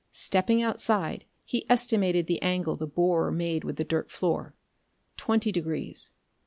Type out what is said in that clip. Stepping outside, he estimated the angle the borer made with the dirt floor. Twenty degrees.